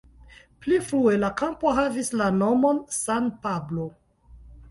Pli frue la kampo havis la nomon "San Pablo".